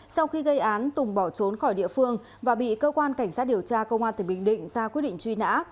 sau khi gây án tùng bỏ trốn khỏi địa phương và bị cơ quan cảnh sát điều tra công an tỉnh bình định ra quyết định truy nã